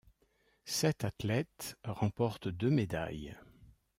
Sept athlètes remportent deux médailles.